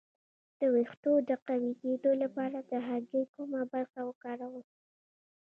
د ویښتو د قوي کیدو لپاره د هګۍ کومه برخه وکاروم؟